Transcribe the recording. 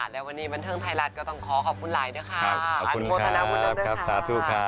แล้ววันนี้บันเทิงไทยรัฐก็ต้องขอขอบคุณหลายนึกค่ะ